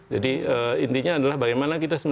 jadi intinya adalah bagaimana kita